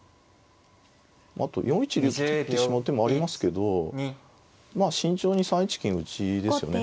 あと４一竜と切ってしまう手もありますけど慎重に３一金打ですよね。